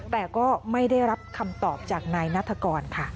แต่ก็ไม่ได้รับคำตอบจากนายนัฐกรค่ะ